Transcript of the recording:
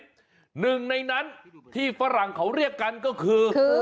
หนึ่งในนั้นที่ฝรั่งเขาเรียกกันก็คือ